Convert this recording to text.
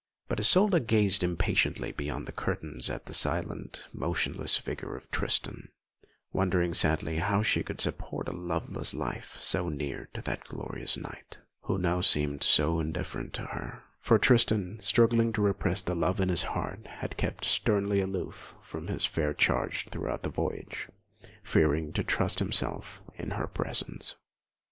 But Isolda gazed impatiently beyond the curtains at the silent, motionless figure of Tristan, wondering sadly how she could support a loveless life so near that glorious knight, who now seemed so indifferent to her; for Tristan, struggling to repress the love in his heart, had kept sternly aloof from his fair charge throughout the voyage, fearing to trust himself in her presence.